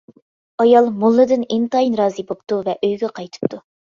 ئايال موللىدىن ئىنتايىن رازى بوپتۇ ۋە ئۆيگە قايتىپتۇ.